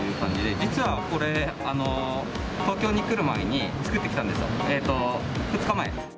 実はこれ、東京に来る前に作ってきたんですよ、２日前。